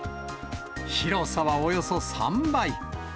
広さはおよそ３倍。